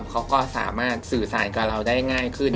เขาก็สามารถสื่อสารกับเราได้ง่ายขึ้น